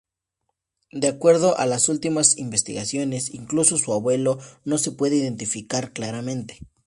De acuerdo a las últimas investigaciones, incluso su abuelo no se puede identificar claramente.